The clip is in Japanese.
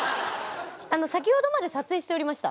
先ほどまで撮影しておりました。